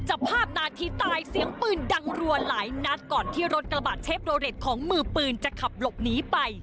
ภาพนาทีตายเสียงปืนดังรัวหลายนัดก่อนที่รถกระบะเชฟโดเรทของมือปืนจะขับหลบหนีไป